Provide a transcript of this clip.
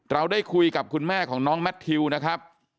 เราได้คุยกับคุณแม่ของน้องแมททิวนะครับ